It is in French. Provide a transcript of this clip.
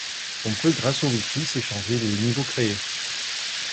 On peut, grâce au Wi-Fi, s'échanger les niveaux créés.